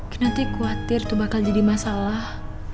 nanti khawatir itu bakal jadi masalah